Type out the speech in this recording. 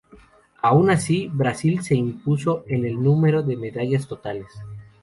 Aun así, Brasil se impuso en el número de medallas totales.